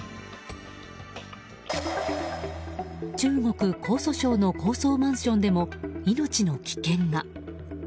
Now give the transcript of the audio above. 中国・江蘇省の高層マンションでも命の危険が。